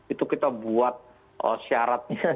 itu kita buat syaratnya